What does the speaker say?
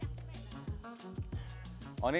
satu satunya pelatih beruk perempuan di nagari limau purwik